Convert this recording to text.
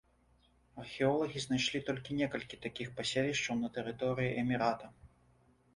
Археолагі знайшлі толькі некалькі такіх паселішчаў на тэрыторыі эмірата.